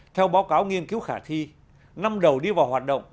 theo báo cáo nghiên cứu khả thi năm đầu đi vào hoạt động